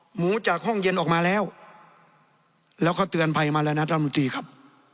หมูจากห้องเย็นออกมาแล้วแล้วก็เตือนภัยมาแล้วนะรัฐมนตรีครับ